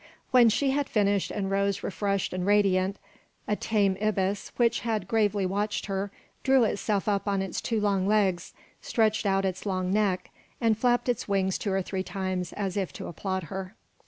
When she had finished and rose refreshed and radiant, a tame ibis, which had gravely watched her, drew itself up on its two long legs, stretched out its long neck, and flapped its wings two or three times as if to applaud her.